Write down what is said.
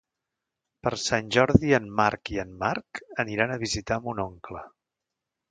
Per Sant Jordi en Marc i en Marc aniran a visitar mon oncle.